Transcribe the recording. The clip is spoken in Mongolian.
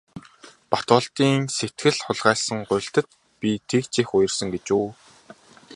Батболдын сэтгэл хайлгасан гуйлтад би тэгж их уярсан гэж үү.